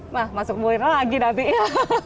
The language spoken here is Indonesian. wah masuk mulai lagi nanti ya